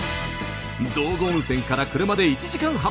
道後温泉から車で１時間半。